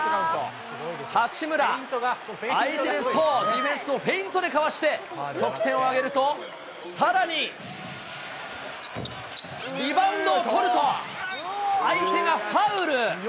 八村、相手のディフェンスをフェイントでかわして、得点を挙げると、さらにリバウンドを取ると、相手がファウル。